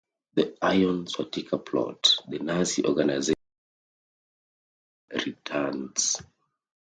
The Iron Swastika Plot -- The Nazi organization known as The Spider returns!